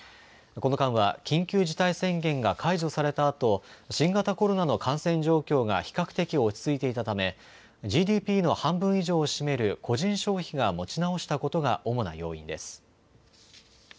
この間は緊急事態宣言が解除されたあと新型コロナの感染状況が比較的落ち着いていたため、ＧＤＰの半分以上を占める個人消費が持ち直したことが主な要因です。